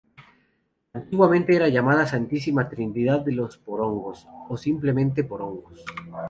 Antiguamente era llamada "Santísima Trinidad de los Porongos", o simplemente "Porongos".